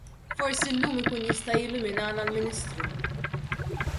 Forsi llum ikun jista' jilluminana l-Ministru.